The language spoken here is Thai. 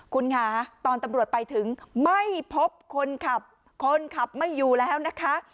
คุณค่ะตอนตำรวจไปถึงไม่พบคนขับคนขับไม่อยู่แล้วนะคะ